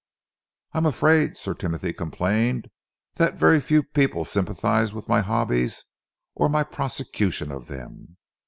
"I am afraid," Sir Timothy complained, "that very few people sympathise with my hobbies or my prosecution of them.